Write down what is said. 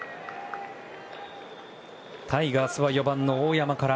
タイガースは４番の大山から。